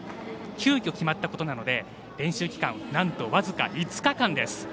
急きょ決まったことなので練習期間はなんと僅か５日間です。